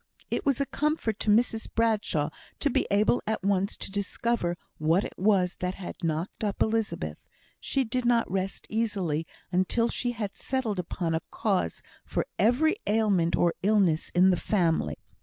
It was a comfort to Mrs Bradshaw to be able at once to discover what it was that had knocked up Elizabeth; she did not rest easily until she had settled upon a cause for every ailment or illness in the family.